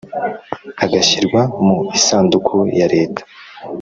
agashyirwa mu isanduku ya Leta